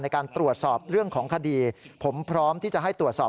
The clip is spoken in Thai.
ในการตรวจสอบเรื่องของคดีผมพร้อมที่จะให้ตรวจสอบ